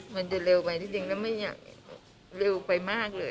มันจะเร็วไปนิดนึงแล้วไม่อยากเร็วไปมากเลย